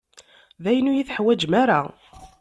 Dayen, ur yi-teḥwaǧem ara.